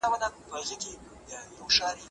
لس سېب پاته کېږي.